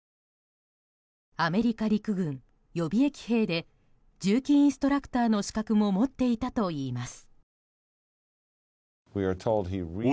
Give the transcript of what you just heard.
アメリカ陸軍予備役兵で銃器インストラクターの資格も持っていたといいます。